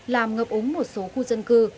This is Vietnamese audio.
làm ngập úng một số khu dân cư